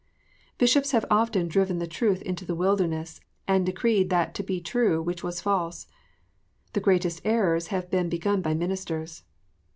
Bishops have often driven the truth into the wilderness, and decreed that to be true which was false. The greatest errors have been begun by ministers.